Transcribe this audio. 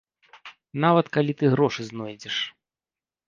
Нават калі ты грошы знойдзеш.